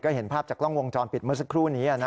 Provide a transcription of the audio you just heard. เห็นภาพจากกล้องวงจรปิดเมื่อสักครู่นี้